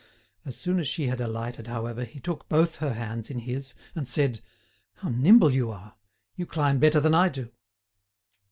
As soon as she had alighted, however, he took both her hands in his, and said: "How nimble you are!—you climb better than I do."